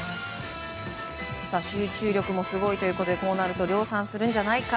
集中力もすごいということで量産するんじゃないか。